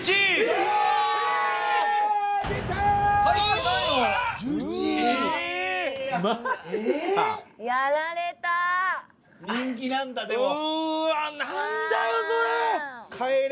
うわなんだよそれ。